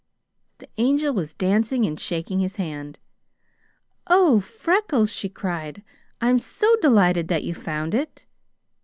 The Angel was dancing and shaking his hand. "Oh, Freckles," she cried, "I'm so delighted that you found it!"